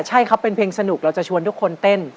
ใช่ครับเป็นเพลงสนุกเราจะชวนทุกคนเต้น